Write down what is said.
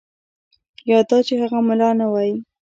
یا دا چې هغه ملا نه وای.